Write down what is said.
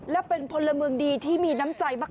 และเป็นพลเมืองดีที่มีน้ำใจมาก